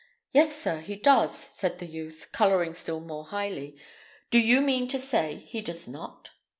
"Yes, sir, he does," said the youth, colouring still more highly. "Do you mean to say he does not?"